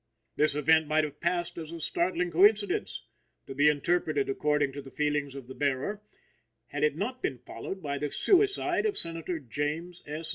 This event might have passed as a startling coincidence, to be interpreted according to the feelings of the hearer, had it not been followed by the suicide of Senator James S.